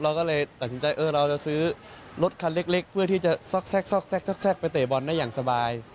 เราก็เลยตัดสินใจเออเราจะซื้อรถคันเล็กเพื่อที่จะซอกไปเตะบอลได้อย่างสบาย